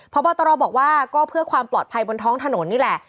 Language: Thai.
พบตรบอกว่าก็เพื่อความปลอดภัยบนท้องถนนนี่แหละ